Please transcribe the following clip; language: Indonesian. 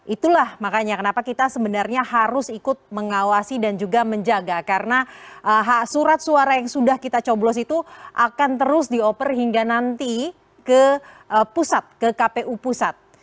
itulah makanya kenapa kita sebenarnya harus ikut mengawasi dan juga menjaga karena surat suara yang sudah kita coblos itu akan terus dioper hingga nanti ke pusat ke kpu pusat